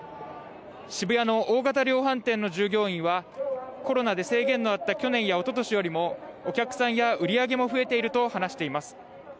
渋谷の大型量販店の従業員はコロナで制限のあった去年やおととしよりも、お客さんや売り上げも増えていると話しています。